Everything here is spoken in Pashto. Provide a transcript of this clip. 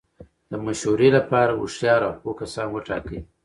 د مشورې له پاره هوښیار او پوه کسان وټاکئ!